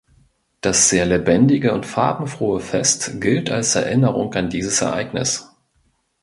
Das sehr lebendige und farbenfrohe Fest gilt als Erinnerung an dieses Ereignis.